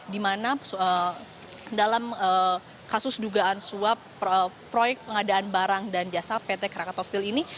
dalam kasus dugaan suap proyek pengadaan barang dan jasa pt krakatau steel ini